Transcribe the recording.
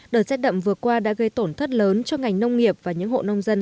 đợt rét đậm vừa qua đã gây tổn thất lớn cho ngành nông nghiệp và những hộ nông dân